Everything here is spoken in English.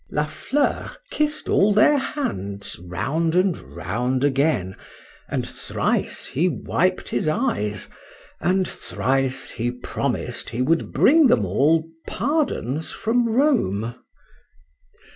La Fleur kissed all their hands round and round again, and thrice he wiped his eyes, and thrice he promised he would bring them all pardons from Rome.